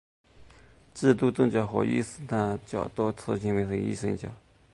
基督宗教和伊斯兰教都自认是一神教。